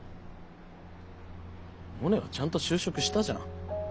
モネはちゃんと就職したじゃん。